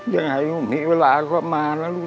ยังไงลูกนี้เวลาก็มาแล้วลูก